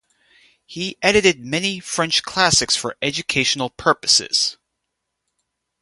He edited many French classics for educational purposes.